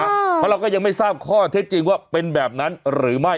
เพราะเราก็ยังไม่ทราบข้อเท็จจริงว่าเป็นแบบนั้นหรือไม่